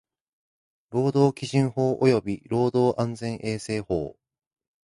労働基準法及び労働安全衛生法